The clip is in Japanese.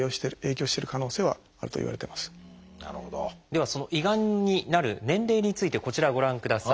ではその胃がんになる年齢についてこちらをご覧ください。